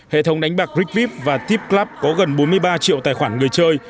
hệ thống đánh bạc brickvip và tipclub có gần bốn mươi ba triệu tài khoản người chơi